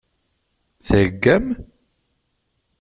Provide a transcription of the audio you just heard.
Theggam?